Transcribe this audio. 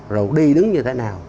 rồi đi đứng như thế nào